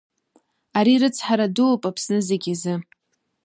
Ари рыцҳара дууп Аԥсны зегь азы.